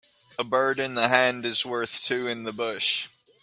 A bird in the hand is worth two in the bush